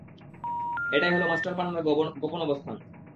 এটাই হল মাস্টার পান্নার গোপন অবস্থান।